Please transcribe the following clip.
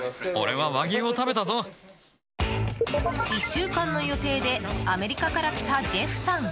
１週間の予定でアメリカから来たジェフさん。